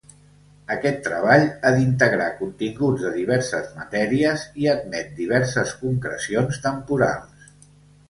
Aquest treball ha d’integrar continguts de diverses matèries i admet diverses concrecions temporals.